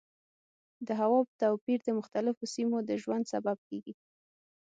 د هوا توپیر د مختلفو سیمو د ژوند سبب کېږي.